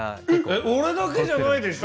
俺だけじゃないでしょう